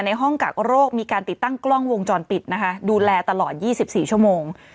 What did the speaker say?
ในห้องกักโรคมีการติดตั้งกล้องวงจรปิดนะคะดูแลตลอด๒๔ชั่วโมง